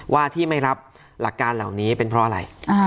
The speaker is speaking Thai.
ว่าที่ไม่รับหลักการเหล่านี้เป็นเพราะอะไร